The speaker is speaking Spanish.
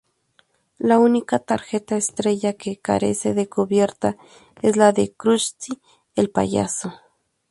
La única tarjeta estrella que carece de cubierta es la de Krusty el payaso.